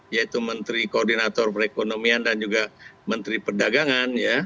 yaitu menteri koordinator perekonomian dan juga menteri perdagangan